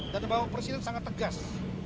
dan bapak presiden sangat tegas